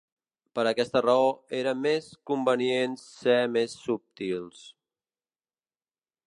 Per aquesta raó era ‘més convenient ser més subtils’.